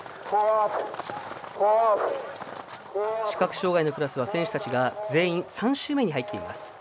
視覚障がいのクラスは選手たちが全員３周目に入っています。